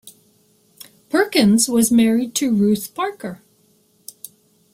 Perkins was married to Ruth Parker.